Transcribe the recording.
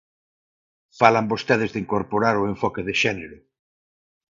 Falan vostedes de incorporar o enfoque de xénero.